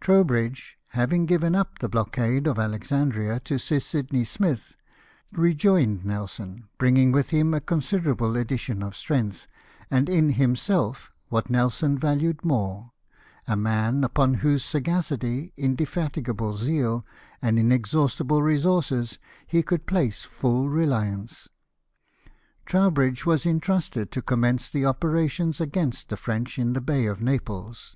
Trowbridge, having given up the blockade of Alexandria to Sir Sidney Smith, rejoined Nelson, bringing with him a considerable addition of strength, and in himself, what Nelson valued more, a man upon whose sagacity, indefatig able zeal, and inexhaustible resources, he could place full reliance. Trowbridge Avas entrusted to commence the operations against the French in the Bay of Naples.